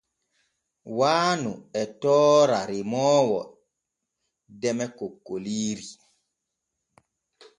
Waanu e toora remoowo deme kokkoliiri.